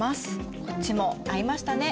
こっちも合いましたね。